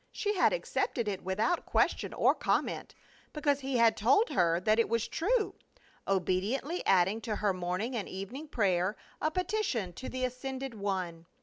She had accepted it without question or comment, because he had told her that it was true, obediently adding to her morning and evening prayer a petition to the ascended One.